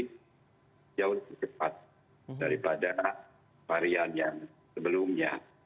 ya memang jauh lebih cepat daripada varian yang sebelumnya